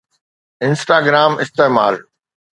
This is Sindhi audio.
Instagram استعمال